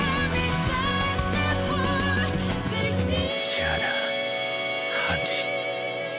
じゃあなハンジ。